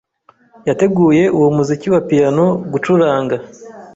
Yateguye uwo muziki wa piyano gucuranga.